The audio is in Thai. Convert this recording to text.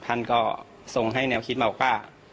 ท่านก็ทรงให้แนวคิดมาว่า